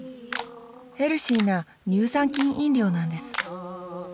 ヘルシーな乳酸菌飲料なんです